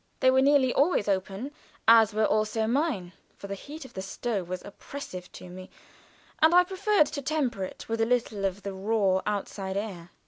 They were nearly always open, as were also mine, for the heat of the stove was oppressive to me, and I preferred to temper it with a little of the raw outside air.